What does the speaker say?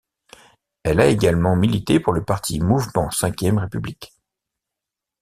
Elle a également milité pour le parti Mouvement Cinquième République.